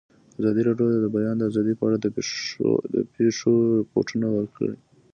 ازادي راډیو د د بیان آزادي په اړه د پېښو رپوټونه ورکړي.